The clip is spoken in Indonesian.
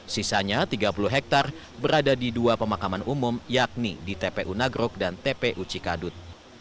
sisanya tiga puluh hektare berada di dua pemakaman umum yakni di tpu nagrog dan tpu cikadut